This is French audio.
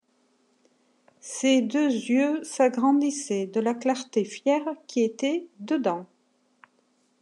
Ses deux yeux s’agrandissaient de la clarté fière qui était dedans.